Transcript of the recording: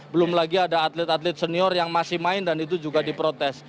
belum lagi ada atlet atlet senior yang masih main dan itu juga diprotes